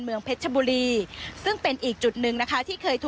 เมืองเพชรชบุรี